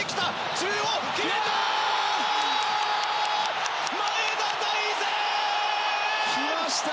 中央、決めた！